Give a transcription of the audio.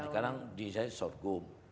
ya sekarang di sisi sorghum